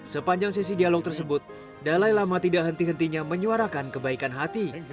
sepanjang sesi dialog tersebut dalai lama tidak henti hentinya menyuarakan kebaikan hati